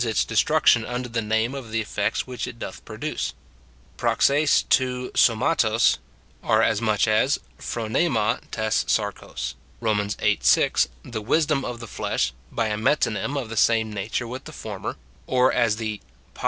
151 its destruction under the name of the effects which it doth produce. Upa^sig tou ffw/xarog are, as much as ^povrj/xa T^g sapxos, Rom. viii. 6, the "wisdom of the flesh," bj a metonymy of the same nature with the former ; or as the 'ifo.